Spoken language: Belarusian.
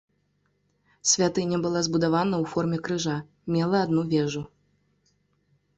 Святыня была збудавана ў форме крыжа, мела адну вежу.